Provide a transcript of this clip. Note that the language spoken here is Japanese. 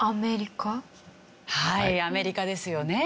はいアメリカですよね。